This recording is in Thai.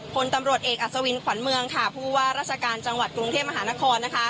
ผลตำรวจเอกอัศวินขวัญเมืองค่ะผู้ว่าราชการจังหวัดกรุงเทพมหานครนะคะ